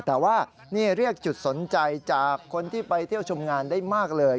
แต่ว่านี่เรียกจุดสนใจจากคนที่ไปเที่ยวชมงานได้มากเลย